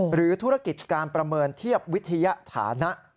หรือธุรกิจการประเมินเทียบวิทยาฐานะ